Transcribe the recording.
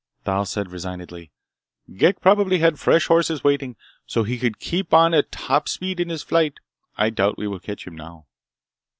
Thal said resignedly: "Ghek probably had fresh horses waiting, so he could keep on at top speed in his flight. I doubt we will catch him, now."